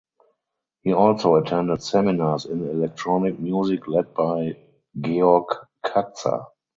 He also attended seminars in electronic music led by Georg Katzer.